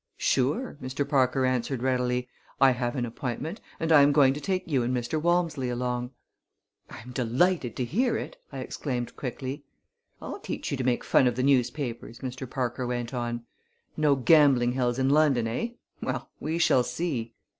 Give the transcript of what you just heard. "Sure!" Mr. Parker answered readily. "I have an appointment, and I am going to take you and Mr. Walmsley along." "I am delighted to hear it!" I exclaimed quickly. "I'll teach you to make fun of the newspapers," Mr. Parker went on. "No gambling hells in London, eh? Well, we shall see!"